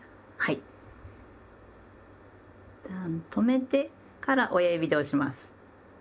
いったん止めてから親指で押します。